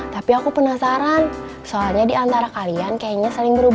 tapi aku penasaran soalnya di antara kalian kayaknya saling berusaha